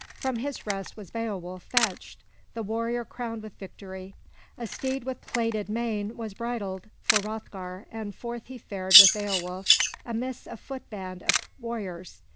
From his rest was Beowulf fetched, the warrior crowned with victory. A steed with plaited mane was bridled for Hroth'gar and forth he fared with Beowulf midst a foot band of warriors.